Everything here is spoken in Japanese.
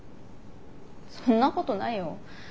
そんなことないよ。